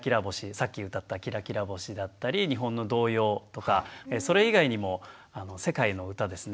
さっき歌った「きらきらぼし」だったり日本の童謡とかそれ以外にも世界の歌ですね